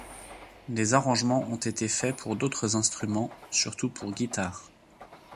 Des arrangements ont été faits pour d'autres instruments, surtout pour guitare.